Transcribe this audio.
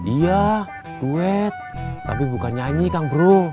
iya duet tapi bukan nyanyi kang bro